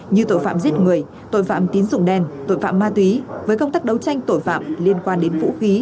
như tội phạm giết người tội phạm tín dụng đen tội phạm ma túy với công tác đấu tranh tội phạm liên quan đến vũ khí